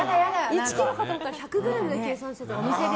１ｋｇかと思ったら１００ｇで計算してた。